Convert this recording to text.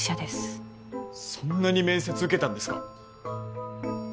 そんなに面接受けたんですか！？